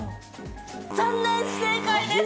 残念、不正解です。